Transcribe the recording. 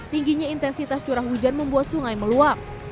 tingginya intensitas curah hujan membuat sungai meluap